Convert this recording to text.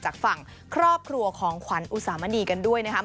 จากฝั่งครอบครัวของขวัญอุสามณีกันด้วยนะครับ